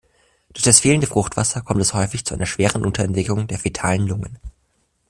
Durch das fehlende Fruchtwasser kommt es häufig zu einer schweren Unterentwicklung der fetalen Lungen.